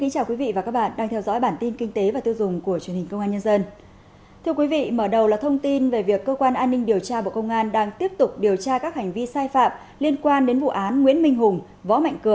các bạn hãy đăng ký kênh để ủng hộ kênh của chúng mình nhé